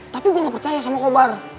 tapi gue gak percaya sama kobar